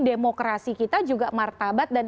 demokrasi kita juga martabat dan